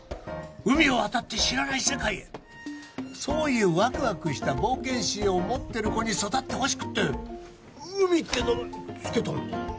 海を渡って知らない世界へそういうワクワクした冒険心を持ってる子に育ってほしくて海って名前付けたんだよ